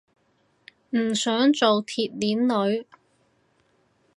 唔想做鐵鏈女